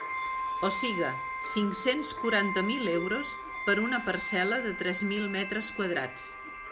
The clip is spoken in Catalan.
O siga, cinc-cents quaranta mil euros per una parcel·la de tres mil metres quadrats.